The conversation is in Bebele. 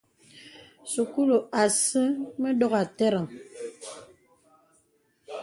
Sūkūlu asə mə dògà àtərəŋ.